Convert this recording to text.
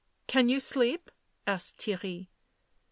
" Can you sleep ?" asked Theirry.